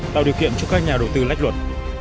tạo điều kiện cho các nhà đầu tư lách luật